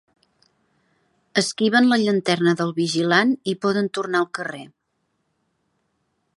Esquiven la llanterna del vigilant i poden tornar al carrer.